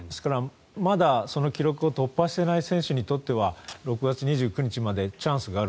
まだその記録を突破していない選手にとっては６月２９日までチャンスがある。